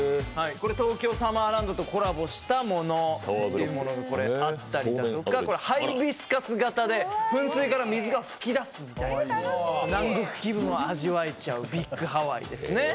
これ東京サマーランドとコラボしたものがあったりだとか、ハイビスカス型で噴水から水が噴き出す、南国気分を味わえちゃうビッグハワイですね。